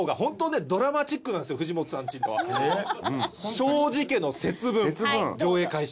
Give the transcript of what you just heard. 「庄司家の節分」上映開始。